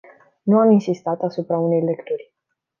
Nu am insistat asupra unei lecturi.